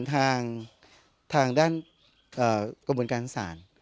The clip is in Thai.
เป็นรักฐานทางด้านกระบวนการสาร